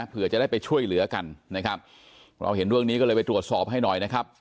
เพื่อจะได้ไปช่วยเหลือกันนะครับเราเห็นเรื่องนี้ก็เลยไปตรวจสอบให้หน่อยนะครับ